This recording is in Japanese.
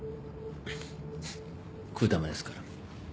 食うためですから。